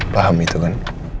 paham itu kan